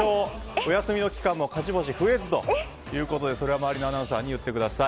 お休みの期間も勝ち星増えずということでそれは周りのアナウンサーに言ってください。